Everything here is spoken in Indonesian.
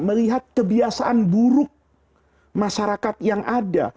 melihat kebiasaan buruk masyarakat yang ada